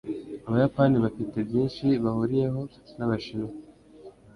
Abayapani bafite byinshi bahuriyeho nabashinwa.